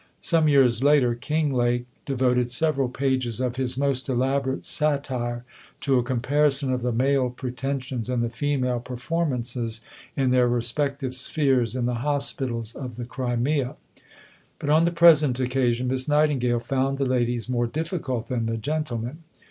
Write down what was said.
Some years later Kinglake devoted several pages of his most elaborate satire to a comparison of the male pretensions and the female performances in their respective spheres in the hospitals of the Crimea; but on the present occasion Miss Nightingale found the ladies more difficult than the gentlemen.